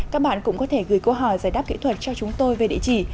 các bạn cũng có thể gửi câu hỏi giải đáp kỹ thuật cho chúng tôi về địa chỉ